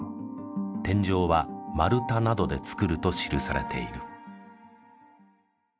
天井は丸太などで造ると記されている。